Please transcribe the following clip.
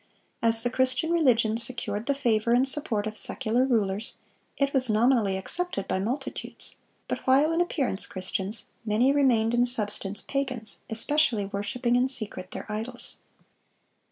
(636) As the Christian religion secured the favor and support of secular rulers, it was nominally accepted by multitudes; but while in appearance Christians, many "remained in substance pagans, especially worshiping in secret their idols."